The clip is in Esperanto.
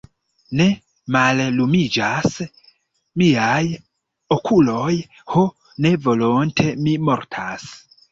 Ne, mallumiĝas miaj okuloj, ho, ne volonte mi mortas.